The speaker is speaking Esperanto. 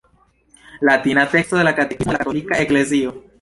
Latina teksto de la katekismo de la katolika eklezio.